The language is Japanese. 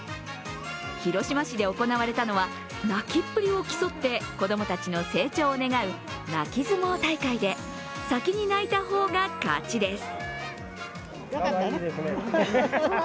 広島市で行われたのは泣きっぷりを競って子供たちの成長を願う泣き相撲大会で、先に泣いた方が勝ちです。